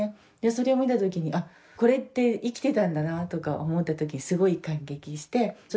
それを見たときにこれって生きてたんだなとか思ったときすごく感激してそ